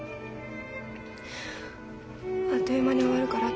「あっという間に終わるから」